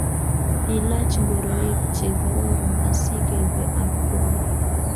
Ilaach ngoroik che kororon asikebe kap gogo.